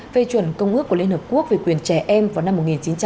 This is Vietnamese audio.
phê chuẩn công ước của liên hợp quốc về quyền trẻ em vào năm một nghìn chín trăm tám mươi